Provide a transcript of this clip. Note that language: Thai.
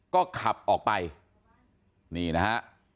ก็ขับออกไปนี่นะฮะ